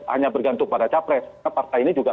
hanya bergantung pada capres karena partai ini juga